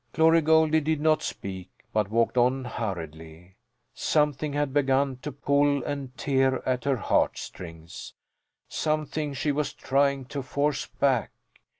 '" Glory Goldie did not speak, but walked on hurriedly. Something had begun to pull and tear at her heart strings something she was trying to force back.